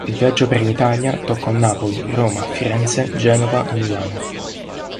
Il viaggio per l'Italia, toccò Napoli, Roma, Firenze, Genova e Milano.